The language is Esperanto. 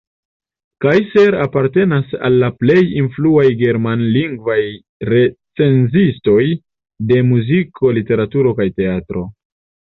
Kaiser apartenas al la plej influaj germanlingvaj recenzistoj de muziko, literaturo kaj teatro.